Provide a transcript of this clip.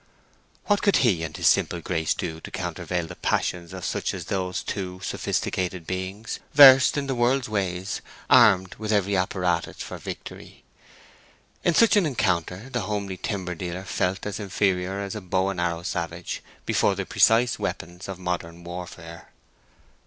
What could he and his simple Grace do to countervail the passions of such as those two sophisticated beings—versed in the world's ways, armed with every apparatus for victory? In such an encounter the homely timber dealer felt as inferior as a bow and arrow savage before the precise weapons of modern warfare.